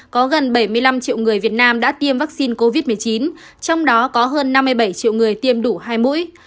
có gần bảy mươi năm triệu người việt nam đã tiêm vaccine covid một mươi chín trong đó có hơn năm mươi bảy triệu người tiêm đủ hai mũi